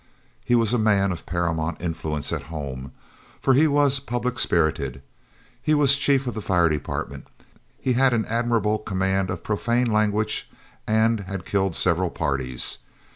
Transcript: He was a man of paramount influence at home, for he was public spirited, he was chief of the fire department, he had an admirable command of profane language, and had killed several "parties."